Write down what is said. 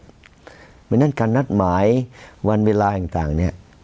เพราะฉะนั้นการนัดหมายวันเวลาต่างเนี่ย